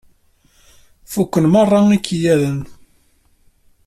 Fukken meṛṛa ikayaden.